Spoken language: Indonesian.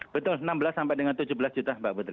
betul enam belas sampai dengan tujuh belas juta mbak putri